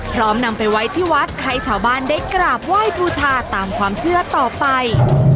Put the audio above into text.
นำไปไว้ที่วัดให้ชาวบ้านได้กราบไหว้บูชาตามความเชื่อต่อไป